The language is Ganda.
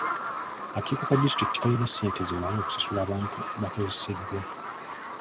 Akakiiko ka disitulikiti tekalina ssente zimala kusasula bantu bakozeseddwa.